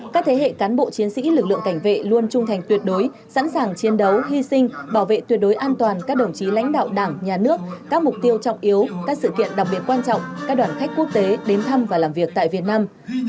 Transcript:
các thế hệ cán bộ chiến sĩ lực lượng cảnh vệ luôn trung thành tuyệt đối sẵn sàng chiến đấu hy sinh bảo vệ tuyệt đối an toàn các đồng chí lãnh đạo đảng nhà nước các mục tiêu trọng yếu các sự kiện đặc biệt quan trọng các đoàn khách quốc tế đến thăm và làm việc tại việt nam